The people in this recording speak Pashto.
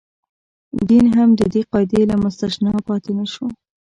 دین هم د دې قاعدې له مستثنا پاتې نه شو.